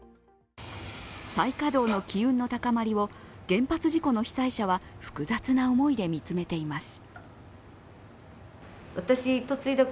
再稼働の機運の高まりを原発事故の被災者は複雑な思いで見つめています。